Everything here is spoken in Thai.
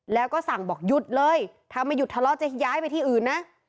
แล้วก็สั่งบอกหยุดเลยถ้าไม่หยุดทะเลาะจะย้ายไปที่อื่นนะ